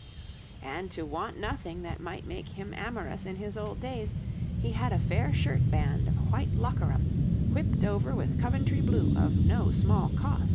'And to want nothing that might make him amorous in his old days, he had a fair shirt band of white lockeram, whipt over with Coventry blue of no small cost.'